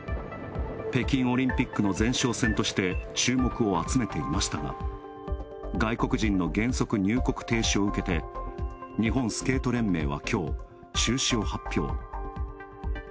北京オリンピックの前哨戦として注目を集めていましたが外国人の原則入国停止を受けて日本スケート連盟は、きょう、中止を発表。